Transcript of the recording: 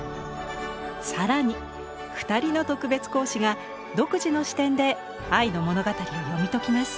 更に２人の特別講師が独自の視点で愛の物語を読み解きます。